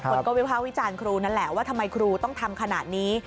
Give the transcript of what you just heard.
คนก็วิภาควิจารณ์ครูนั่นแหละว่าทำไมครูต้องทำขนาดนี้